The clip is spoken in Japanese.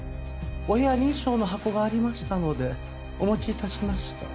お部屋に衣装の箱がありましたのでお持ち致しました。